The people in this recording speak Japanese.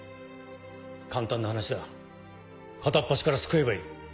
簡単な話だ片っ端から救えばいい。